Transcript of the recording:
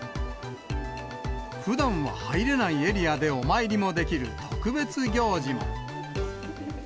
ふだんは入れないエリアでお参りもできる特別行事も。